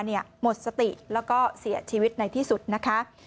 หมดสติแล้วก็เสียชีวิตในที่สุดนะคะ